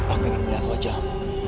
aku ingin melihat wajahmu